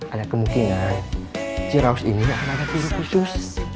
ada kemungkinan ciraus ini akan ada virus khusus